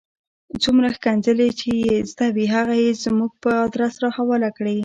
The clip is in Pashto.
څومره ښکنځلې چې یې زده وې هغه یې زموږ په آدرس را حواله کړې.